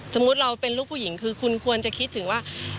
สมมุติเราเป็นลูกผู้หญิงคือคุณควรจะคิดถึงว่า